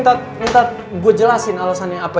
tadi lu minta gua jelasin alasannya apa